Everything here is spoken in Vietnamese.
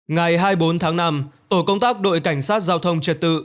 ngày hai mươi bốn tháng năm tổ công tác đội cảnh sát giao thông trật tự